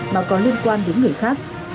mà có liên quan đến người khác